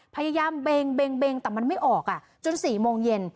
พยายามเบงแต่มันไม่ออกจน๔โมงเย็น